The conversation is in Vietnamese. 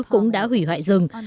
cũng đã hủy hoại rừng